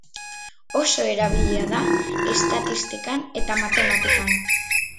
Oso erabilia da estatistikan eta matematikan.